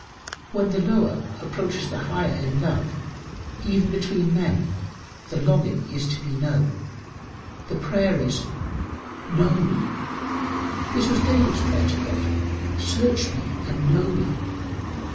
When the lower approaches the higher in love, even between men, the longing is to be known; the prayer is "Know me." This was David's prayer to God, "Search me and know me."